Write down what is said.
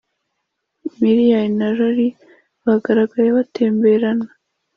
malian na rory bagaragaye batemberana